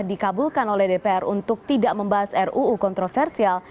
dikabulkan oleh dpr untuk tidak membahas ruu kontroversial